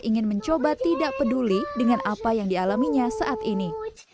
ingin mencoba tidak peduli dengan apa yang dialaminya saat ini